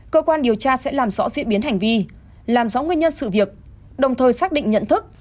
cơ quan điều tra sẽ làm rõ diễn biến hành vi làm rõ nguyên nhân sự việc đồng thời xác định nhận thức